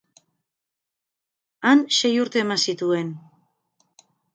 Han sei urte eman zituen.